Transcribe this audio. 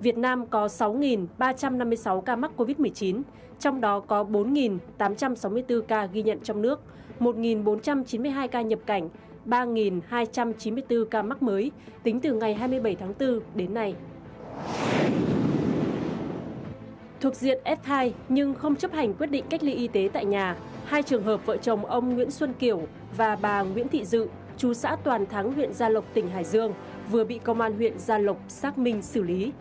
vợ chồng ông nguyễn xuân kiểu và bà nguyễn thị dự chú xã toàn thắng huyện gia lộc tỉnh hải dương vừa bị công an huyện gia lộc xác minh xử lý